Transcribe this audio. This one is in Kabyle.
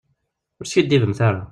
Ur skiddibemt ara.